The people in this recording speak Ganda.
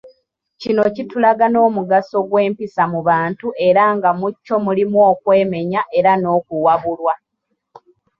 Kino kitulaga n'omugaso gw'empisa mu bantu era nga mu kyo mulimu okwemenya era n'okuwabulwa.